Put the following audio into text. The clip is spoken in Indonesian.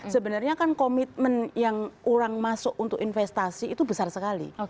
sebenarnya kan komitmen yang orang masuk untuk investasi itu besar sekali